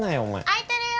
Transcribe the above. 開いてるよ！